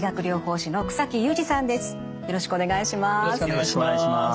よろしくお願いします。